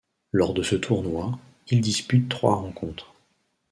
Lors de ce tournoi, il dispute trois rencontres.